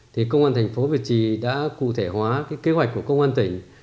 thì công an thành phố việt trì đã cụ thể hóa cái kế hoạch của công an tỉnh